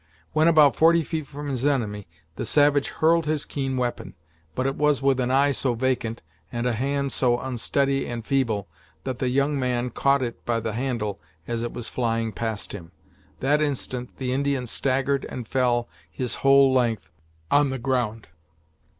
When about forty feet from his enemy, the savage hurled his keen weapon; but it was with an eye so vacant, and a hand so unsteady and feeble, that the young man caught it by the handle as it was flying past him. At that instant the Indian staggered and fell his whole length on the ground.